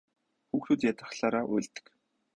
Хүүхдүүд ядрахлаараа уйлдаг.